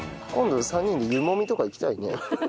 今度３人で湯もみとか行きたいね。